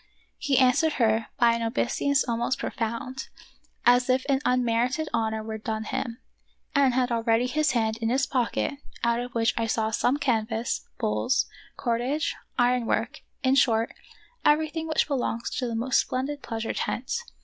*" He answered her by an obeisance most profound, as if an unmerited honor were done him, and had already his hand in his pocket, out of which I saw come canvas, poles, cordage, iron work, in short, everything which belongs to the most splendid pleasure tent.